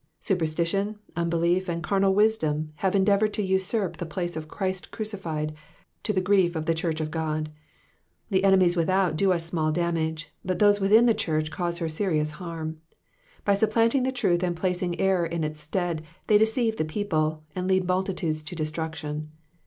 Superstition, unbelief, and carnal wsidom have endeavoured to usurp the place of Christ crucified, to the grief of the church of God. The enemies without do us small damage, but those within the church cause her serious harm ; by supplanting the truth and placing error in its stead, they deceive the people, and lead multitudes to destniction.